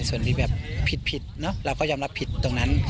ส่วนที่ผิดเราก็ยอมรับผิดตรงนั้น